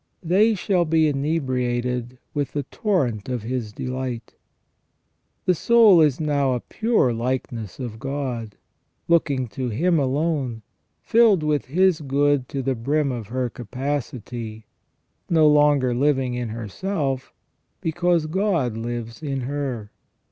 " They shall be inebriated with the torrent of His delight." The soul is now a pure likeness of God, looking to Him alone, filled with His good to the brim of her capacity, no longer living in herself, because God lives in her.